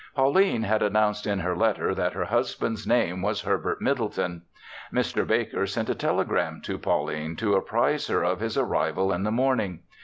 Pauline had announced in her letter that her husband's name was Herbert Middleton. Mr. Baker sent a telegram to Pauline to apprise her of his arrival in the morning.